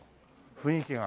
雰囲気が。